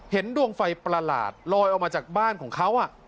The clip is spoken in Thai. ดวงไฟประหลาดลอยออกมาจากบ้านของเขา